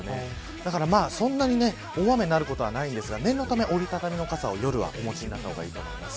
だから、そんなに大雨になることはないんですが念のため、折り畳みの傘を夜はお持ちになられたらと思います。